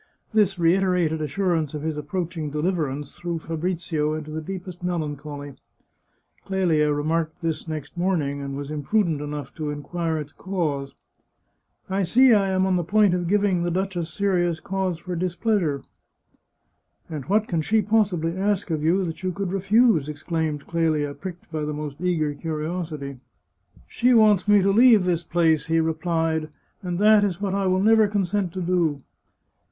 This reiterated assurance of his approaching deliverance threw Fabrizio into the deepest melancholy. Clelia remarked this next morning, and was imprudent enough to inquire its cause. " I see I am on the point of giving the duchess serious cause for displeasure." 361 The Chartreuse of Parma " And what can she possibly ask of you that you could refuse ?" exclaimed Clelia, pricked by the most eager curi osity. " She wants me to leave this place," he replied, " and that is what I will never consent to do."